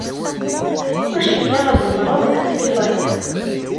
Ur cikkeɣ ad tzemreḍ ad tgeḍ aya.